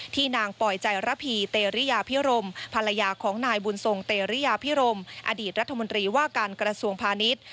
นางปอยใจระพีเตรริยาพิรมภรรยาของนายบุญทรงเตรียพิรมอดีตรัฐมนตรีว่าการกระทรวงพาณิชย์